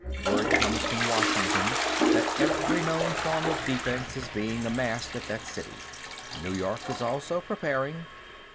Word comes from Washington that every known form of defense is being amassed at that city. New York is also preparing...."